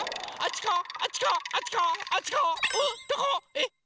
えっ？